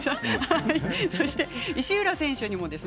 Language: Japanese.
そして、石浦選手にも。